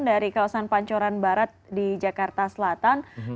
dari kawasan pancoran barat di jakarta selatan